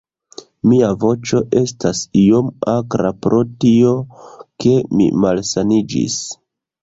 Mia voĉo estas iom akra pro tio, ke mi malsaniĝis